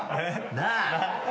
なあ？